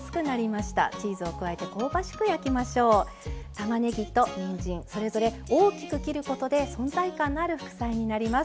たまねぎとにんじんそれぞれ大きく切ることで存在感のある副菜になります。